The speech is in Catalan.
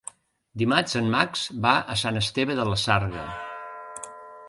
Dimarts en Max va a Sant Esteve de la Sarga.